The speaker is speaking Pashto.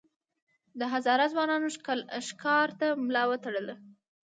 د هزاره ځوانانو ښکار ته ملا وتړله.